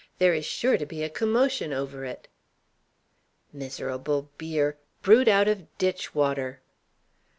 There is sure to be a commotion over it." "Miserable beer! Brewed out of ditch water!"